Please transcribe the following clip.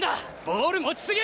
ボール持ちすぎ！